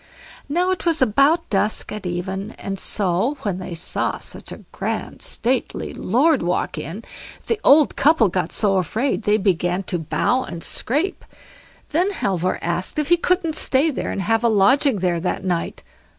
Now it was about dusk at even, and so, when they saw such a grand stately lord walk in, the old couple got so afraid they began to bow and scrape. Then Halvor asked if he couldn't stay there, and have a lodging there that night.